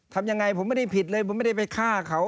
ทำยังไงผมไม่ได้ผิดเลยผมไม่ได้ไปฆ่าเขา